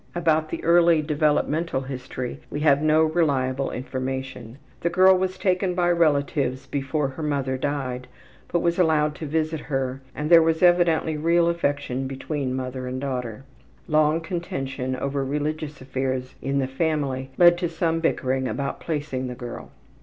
About the early developmental history we have no reliable information. The girl was taken by relatives before her mother died, but was allowed to visit her, and there was evidently real affection between mother and daughter. Long contention over religious affairs in the family led to some bickering about placing the girl.